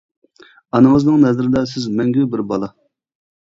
ئانىڭىزنىڭ نەزىردە سىز مەڭگۈ بىر بالا.